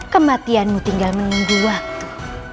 kematianmu tinggal menunggu waktu